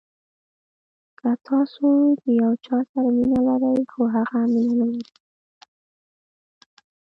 که تاسو د یو چا سره مینه لرئ خو هغه مینه نلري.